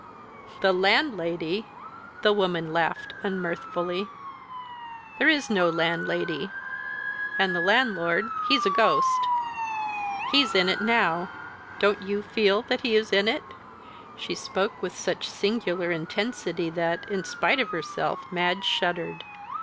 "The landlady!" The woman laughed unmirthfully. "There is no landlady. And the landlord he's a ghost. He's in it now don't you feel that he is in it?" She spoke with such singular intensity that, in spite of herself, Madge shuddered.